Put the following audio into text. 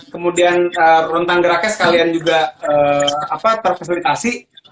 kemudian rentang geraknya sekalian juga terfasilitasi